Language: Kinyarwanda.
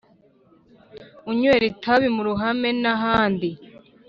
unywera itabi mu ruhame n ahandi